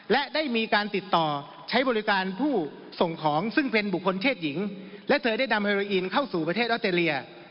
และได้มีการติดต่อใช้บริการผู้ส่งของซึ่งเป็นบุคคลเพศหญิงและเธอได้นำเฮโรอีนเข้าสู่ประเทศออสเตรเลีย